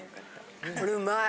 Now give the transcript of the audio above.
これうまい！